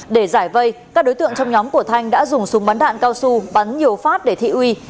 để giải vây các đối tượng trong nhóm của thanh đã dùng súng bắn đạn cao su bắn nhiều phát để thị uy